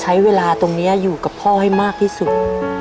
ใช้เวลาตรงนี้อยู่กับพ่อให้มากที่สุด